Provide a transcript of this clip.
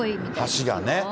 橋がね。